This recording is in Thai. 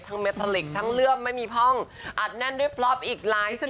เมตตาลิกทั้งเลื่อมไม่มีพ่องอัดแน่นด้วยพล็อปอีกหลายสิบ